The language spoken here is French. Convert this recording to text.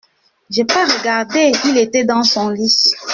J’ai pas regardé… il était dans son lit.